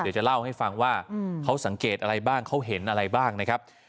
เดี๋ยวจะเล่าให้ฟังว่าเขาสังเกตอะไรบ้างเขาเห็นอะไรบ้างนะครับ